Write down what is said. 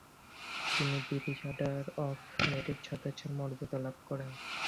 তিনি British order of merit সদস্যের মর্যাদা লাভ করেন।